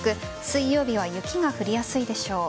水曜日は雪が降りやすいでしょう。